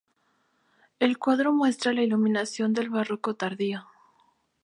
El cuadro muestra la iluminación del Barroco tardío.